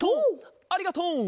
ありがとう！